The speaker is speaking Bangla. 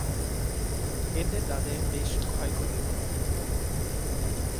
এতে তাঁদের বেশ ক্ষয়ক্ষতি হলো।